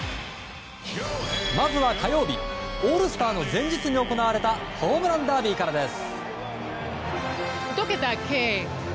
まずは火曜日オールスターの前日に行われたホームランダービーからです。